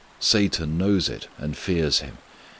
Satan knows it, and fears Him.